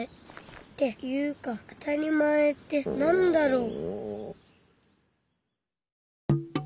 っていうかあたりまえってなんだろう。